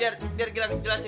eh biar gilang jelasin